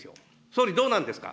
総理、どうなんですか。